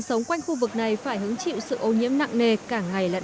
phản ánh của phóng viên truyền hình nhân dân